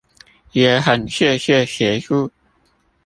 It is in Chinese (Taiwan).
也很謝謝協助